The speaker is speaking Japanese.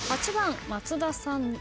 ８番松田さん。